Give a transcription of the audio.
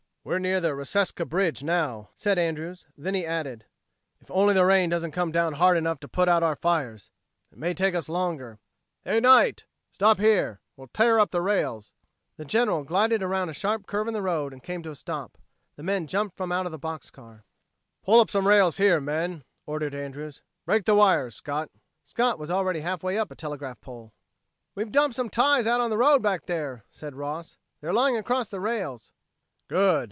"We're near the Reseca bridge now," said Andrews. Then he added: "If only the rain doesn't come down hard enough to put out our fires! It may take us longer.... Hey, Knight! Stop here! We'll tear up the rails!" The General glided around a sharp curve in the road and came to a stop. The men jumped out from the box car. "Pull up some rails here, men," ordered Andrews. "Break the wires, Scott." Scott was already halfway up a telegraph pole. "We dumped some ties out on the road back there," said Ross. "They're lying across the rails." "Good!"